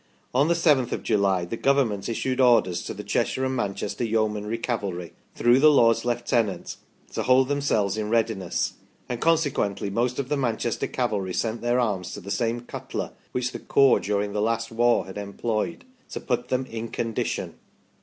On the 7th of July the Government issued orders to the Cheshire and Manchester Yeomanry Cavalry, through the Lords Lieutenant, to hold themselves in readiness, and consequently most of the Manchester Cavalry sent their arms to the same cutler which the corps during the last war had employed, to put them in condition